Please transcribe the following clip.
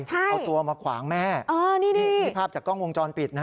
ใช่เอาตัวมาขวางแม่เออนี่ดินี่ภาพจากกล้องวงจรปิดนะ